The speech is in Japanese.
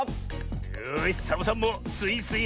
よしサボさんもスイスイはずすぜ！